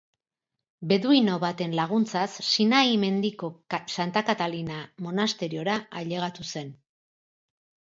Beduino baten laguntzaz Sinai Mendiko Santa Katalina monasteriora ailegatu zen.